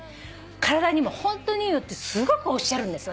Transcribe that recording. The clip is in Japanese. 体にもホントにいいの」ってすごくおっしゃるんです